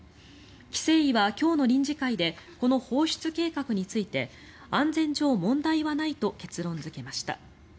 規制委は今日の臨時会でこの放出計画について安全上問題はないと結論付けました。